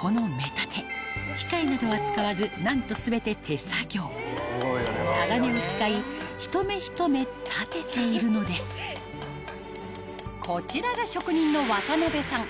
この目立て機械などは使わずなんと全て手作業たがねを使いひと目ひと目立てているのですこちらが職人の渡邉さん